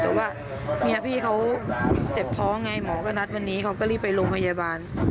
แต่ว่าเมียพี่เขาเจ็บท้องไงหมอก็นัดวันนี้เขาก็รีบไปโรงพยาบาล